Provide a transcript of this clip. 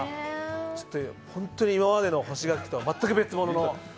ホントに今までの干し柿と全く別物の。